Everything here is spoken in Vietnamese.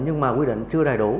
nhưng mà quy định chưa đầy đủ